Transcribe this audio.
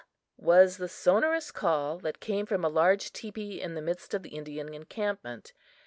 was the sonorous call that came from a large teepee in the midst of the Indian encampment.